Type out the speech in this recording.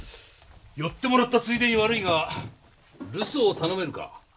寄ってもらったついでに悪いが留守を頼めるか？